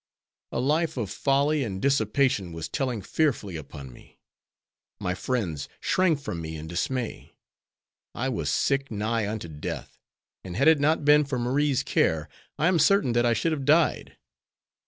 A life of folly and dissipation was telling fearfully upon me. My friends shrank from me in dismay. I was sick nigh unto death, and had it not been for Marie's care I am certain that I should have died.